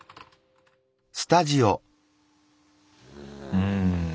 うん。